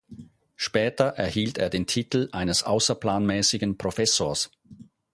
Später erhielt er den Titel eines außerplanmäßigen Professors.